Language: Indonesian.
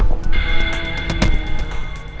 rahasia apa yang kamu sembunyiin